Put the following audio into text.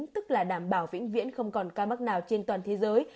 tức là đảm bảo vĩnh viễn không còn ca mắc nào trên toàn thế giới